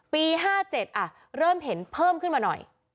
๕๗เริ่มเห็นเพิ่มขึ้นมาหน่อย